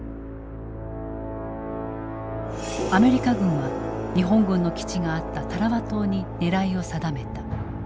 アメリカ軍は日本軍の基地があったタラワ島に狙いを定めた。